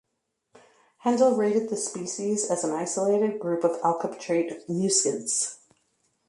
Hendel rated the species as "an isolated group of acalyptrate muscids".